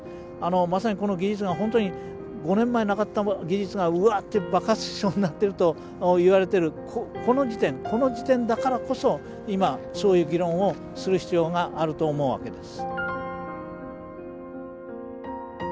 まさにこの技術が本当に５年前なかった技術がウワッて爆発しそうになってると言われてるこの時点だからこそ今そういう議論をする必要があると思うわけです。